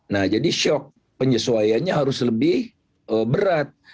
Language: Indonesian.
nah jadi shock penyesuaiannya harus lebih berat